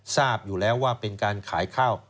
ทราบอยู่แล้วว่าเป็นการขายข้าว